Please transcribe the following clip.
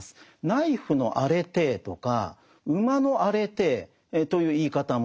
ナイフのアレテーとか馬のアレテーという言い方もあるんです。